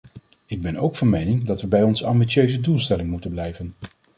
Ik ben ook van mening dat we bij onze ambitieuze doelstelling moeten blijven.